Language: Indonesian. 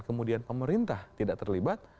kemudian pemerintah tidak terlibat